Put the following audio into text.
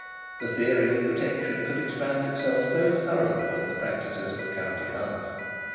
The theory of protection could expand itself so thoroughly in the practices of the country hunt!